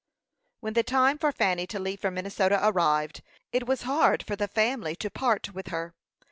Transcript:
When the time for Fanny to leave for Minnesota arrived, it was hard for the family to part with her.